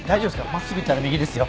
真っすぐ行ったら右ですよ。